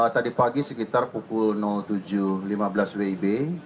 tadi pagi sekitar pukul tujuh lima belas wib